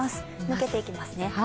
抜けていきますね。